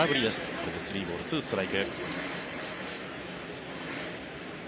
これで３ボール２ストライク。